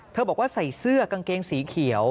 บอกว่าใส่เสื้อกางเกงสีเขียว